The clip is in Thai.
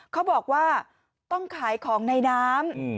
เขาบอกว่าต้องขายของในน้ำ